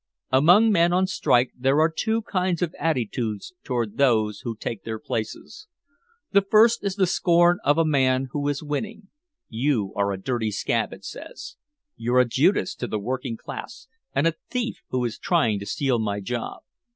Among men on strike there are two kinds of attitudes toward those who take their places. The first is the scorn of the man who is winning. "You are a dirty scab," it says. "You're a Judas to the working class and a thief who is trying to steal my job.